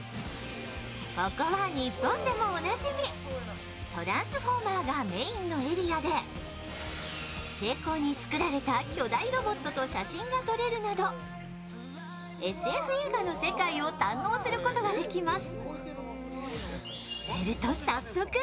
ここは日本でもおなじみ、「トランスフォーマー」がメインのエリアで精巧に作られた巨大ロボットと写真が撮れるなど、ＳＦ映画の世界を堪能することができます。